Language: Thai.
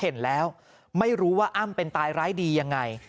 เห็นแล้วไม่รู้ว่าอ้ำเป็นตายร้ายดียังไง